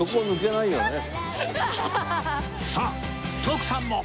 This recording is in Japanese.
さあ徳さんも！